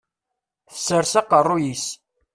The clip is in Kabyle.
Tessers aqerruy-is.